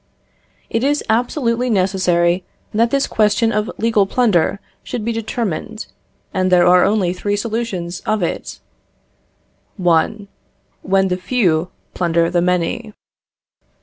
It is absolutely necessary that this question of legal plunder should be determined, and there are only three solutions of it: 1. When the few plunder the many.